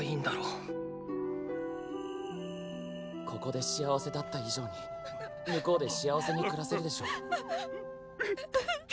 ここで幸せだった以上に向こうで幸せに暮らせるでしょう。